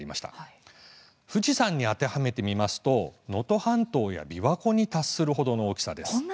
富士山に当てはめますと能登半島や琵琶湖に達するほどの大きさです。